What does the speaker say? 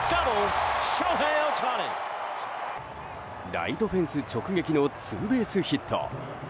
ライトフェンス直撃のツーベースヒット。